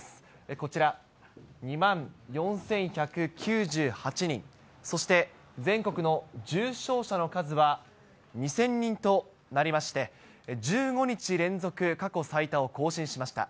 こちら、２万４１９８人、そして全国の重症者の数は２０００人となりまして、１５日連続過去最多を更新しました。